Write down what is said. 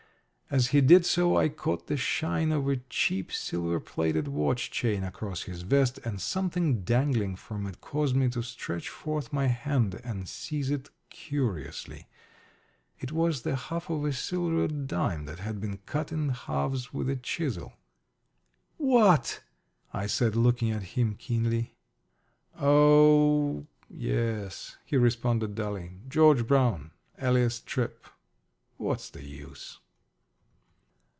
As he did so I caught the shine of a cheap silver plated watch chain across his vest, and something dangling from it caused me to stretch forth my hand and seize it curiously. It was the half of a silver dime that had been cut in halves with a chisel. "What!" I said, looking at him keenly. "Oh yes," he responded, dully. "George Brown, alias Tripp. What's the use?"